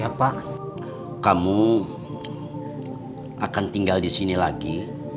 idan kamu akan tinggal disini lagi